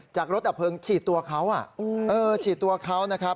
จากรถดับเพลิงฉีดตัวเขาฉีดตัวเขานะครับ